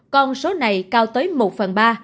con số này cao tới một phần ba